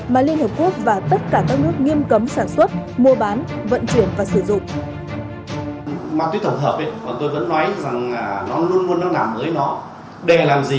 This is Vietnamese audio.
mà liên hợp quốc và tất cả các nước nghiêm cấm sản xuất mua bán vận chuyển và sử dụng